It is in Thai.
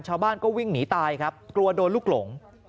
ชาวบ้านก็วิ่งหนีตายครับกลัวโดนลูกหลง